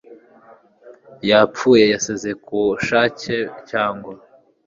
yapfuye yasezeye ku bushake cyangwa